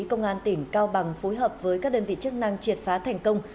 công an tỉnh cao bằng phối hợp với các đơn vị chức năng triệt phá thành công